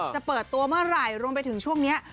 จะเปิดตัวเมื่อไหร่รวมไปถึงช่วงนี้